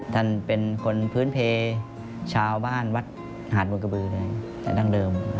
ท่านเป็นคนพื้นเพชาบ้านวัดหาดมูลกระบือในด้านเดิม